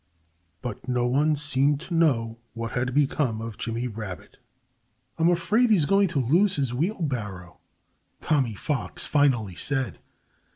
But no one seemed to know what had become of Jimmy Rabbit. "I'm afraid he's going to lose his wheelbarrow," Tommy Fox finally said.